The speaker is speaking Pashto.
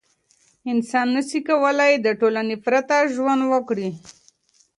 انسان نسي کولای له ټولنې پرته ژوند وکړي.